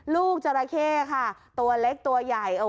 จราเข้ค่ะตัวเล็กตัวใหญ่